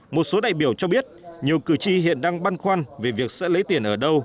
một số đại biểu cho biết nhiều cử tri hiện đang băn khoăn về việc sẽ lấy tiền ở đâu